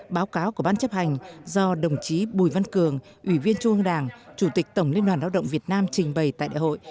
báo cáo của ban chấp hành do đồng chí bùi văn cường ủy viên trung ương đảng chủ tịch tổng liên đoàn lao động việt nam trình bày tại đại hội